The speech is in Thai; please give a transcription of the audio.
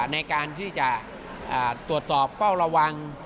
ในการที่จะตรวจสอบเฝ้าระวัง